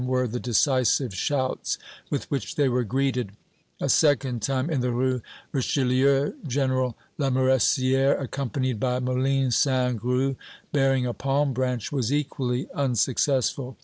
were the decisive shouts with which they were greeted. A second time, in the Rue Richelieu, General Lamoricière, accompanied by Moline Saint Gru bearing a palm branch, was equally unsuccessful.